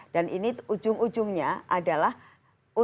dan ini ujung ujungnya adalah untuk membuat pembayaran pajak restoran